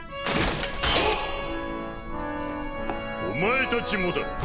お前たちもだ。